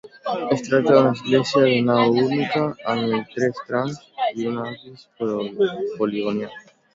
Es tracta d'una església de nau única, amb tres trams i un absis poligonal.